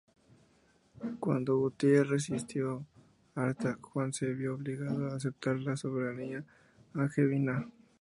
Cuando Gutierre sitió Arta, Juan se vio obligado a aceptar la soberanía angevina.